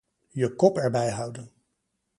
Je kop erbij houden.